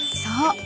［そう］